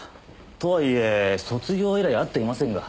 とはいえ卒業以来会っていませんが。